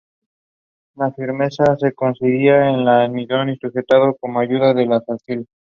La firmeza se conseguía con el almidón y la sujeción con ayuda de alfileres.